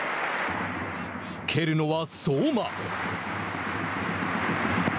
蹴るのは相馬。